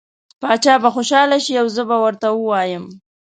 باچا به خوشحاله شي او زه به ورته ووایم.